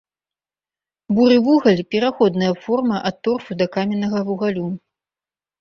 Буры вугаль, пераходная форма ад торфу да каменнага вугалю.